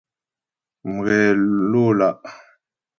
Mghě ló lá'.